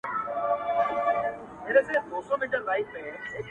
نه د عقل پوهي ګټه را رسېږي.!